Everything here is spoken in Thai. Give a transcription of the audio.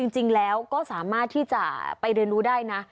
จริงแล้วก็สามารถที่จะไปเรียนรู้ได้นะ